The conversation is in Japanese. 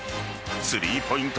スリーポイント